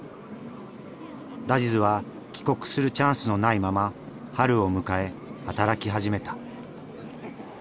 ラジズは帰国するチャンスのないまま春を迎え働き始めた。